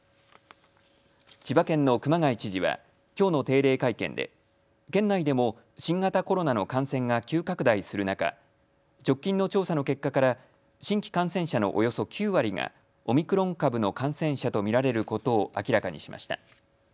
千葉県の熊谷知事はきょうの定例会見で県内でも新型コロナの感染が急拡大する中、直近の調査の結果から新規感染者のおよそ９割がオミクロン株の感染者と見られることを明らかにしました。